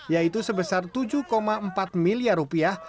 yaitu sebesar tujuh empat miliar rupiah